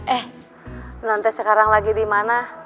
eh non teh sekarang lagi di mana